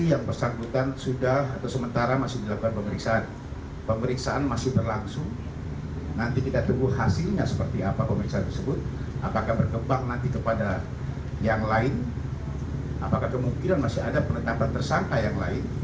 apakah kemungkinan masih ada penetapan tersangka yang lain